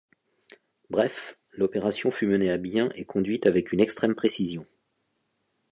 Bref, l’opération fut menée à bien et conduite avec une extrême précision.